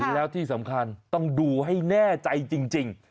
แล้วที่สำคัญต้องดูให้แน่ใจจริง